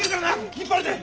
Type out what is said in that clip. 引っ張るで！